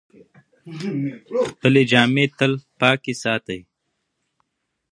خپلې جامې تل پاکې ساتئ.